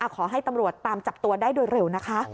ขอให้ตำรวจตามจับตัวได้โดยเร็วนะคะ